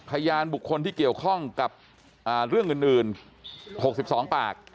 พยานบุคคลที่เกี่ยวข้องกับเรื่องอื่น๖๒ปาก